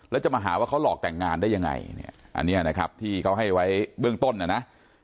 แล้วจะมาหาว่าเขาหลอกแต่งงานได้ยังไงเนี่ยอันนี้นะครับที่เขาให้ไว้เบื้องต้นนะนะ